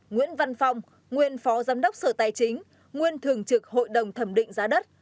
một nguyễn văn phong nguyên phó giám đốc sở tài chính nguyên thường trực hội đồng thẩm định giá đất